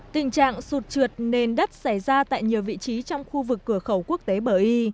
tình trạng sụt trượt nền đất xảy ra tại nhiều vị trí trong khu vực cửa khẩu quốc tế bờ y